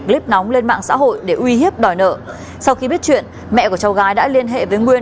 clip nóng lên mạng xã hội để uy hiếp đòi nợ sau khi biết chuyện mẹ của cháu gái đã liên hệ với nguyên